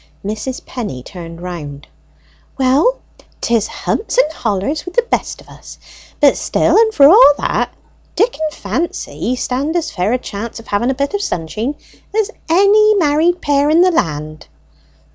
Mrs. Penny turned round. "Well, 'tis humps and hollers with the best of us; but still and for all that, Dick and Fancy stand as fair a chance of having a bit of sunsheen as any married pair in the land."